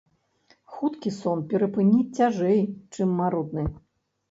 Хуткі сон перапыніць цяжэй, чым марудны.